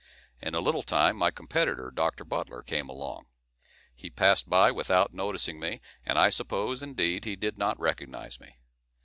In a little time my competitor, Doctor Butler, came along; he passed by without noticing me, and I suppose, indeed, he did not recognise me.